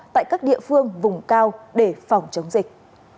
tại các địa phương vùng cao để phòng chống dịch